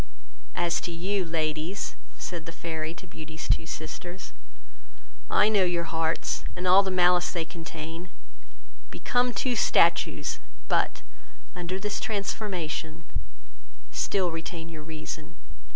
As to you, ladies, (said the Fairy to Beauty's two sisters,) I know your hearts, and all the malice they contain: become two statues; but, under this transformation, still retain your reason.